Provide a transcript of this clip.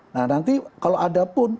nah nanti kalau ada pun